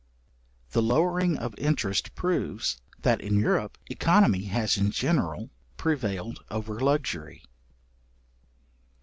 The lowering of interest proves, that in Europe œconomy has in general prevailed over luxury.